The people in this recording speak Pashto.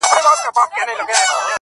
سوال کوم کله دي ژړلي گراني .